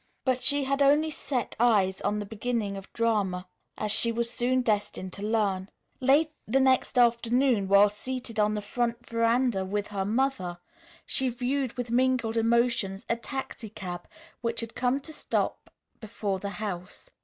But she had only set eyes on the beginning of a drama as she was soon destined to learn. Late the next afternoon, while seated on the front veranda with her mother, she viewed with mingled emotions a taxicab which had come to a full stop before the house.